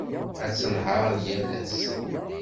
Ad tnehheṛ yal ass.